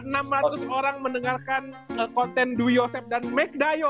dari tata enam ratus orang mendengarkan konten dwi yosef dan meg dayo